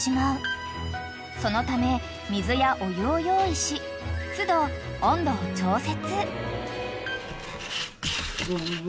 ［そのため水やお湯を用意し都度温度を調節］